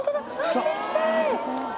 ちっちゃい！